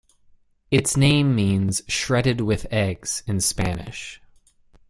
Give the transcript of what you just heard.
Its name means "shredded with eggs" in Spanish.